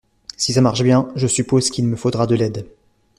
Si ça marche bien, je suppose qu’il me faudra de l’aide.